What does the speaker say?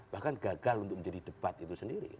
bahkan gagal untuk menjadi debat itu sendiri